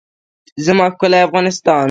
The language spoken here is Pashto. زما ښکلی افغانستان.